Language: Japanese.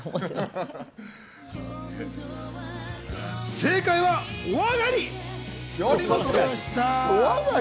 正解は、おあがり！